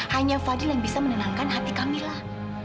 hanya fadil yang bisa menenangkan hati kamilah